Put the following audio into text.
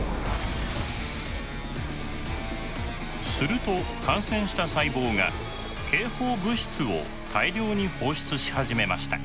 すると感染した細胞が警報物質を大量に放出し始めました。